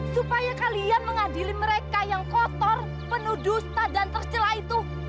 supaya kalian mengadili mereka yang kotor penuh dusta dan tercelah itu